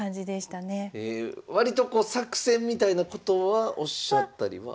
割とこう作戦みたいなことはおっしゃったりは？